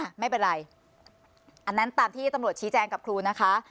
ไม่เป็นไรอันนั้นตามที่ตำรวจชี้แจงกับครูนะคะ